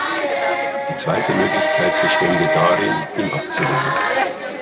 Die zweite Möglichkeit bestände darin, ihn abzulehnen.